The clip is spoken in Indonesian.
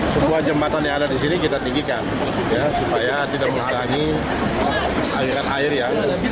semua jembatan yang ada di sini kita tinggikan supaya tidak menghalangi aliran air ya